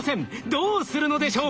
どうするのでしょう。